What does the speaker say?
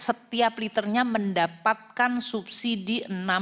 setiap liternya mendapatkan subsidi enam delapan ratus